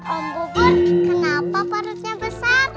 om bubur kenapa parutnya besar